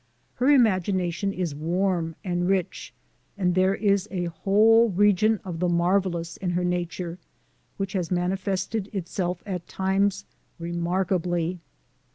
Her imagination is warm and rich, and there is a whole region of the marvelous in her nature, which has manifested itself at times remarkably.